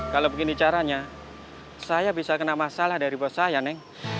kalau begini caranya saya bisa kena masalah dari bos saya neng